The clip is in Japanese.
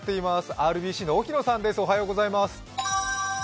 ＲＢＣの沖野さんです。